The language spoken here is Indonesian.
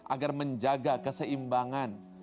agar menjaga keseimbangan